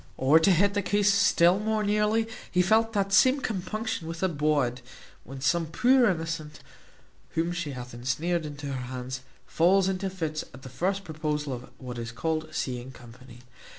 Or, to hit the case still more nearly, he felt the same compunction with a bawd, when some poor innocent, whom she hath ensnared into her hands, falls into fits at the first proposal of what is called seeing company.